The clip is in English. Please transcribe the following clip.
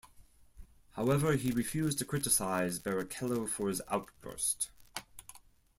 However he refused to criticize Barrichello for his outburst.